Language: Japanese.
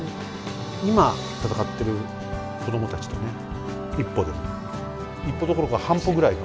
今戦ってる子供たちとね一歩でも一歩どころか半歩ぐらい。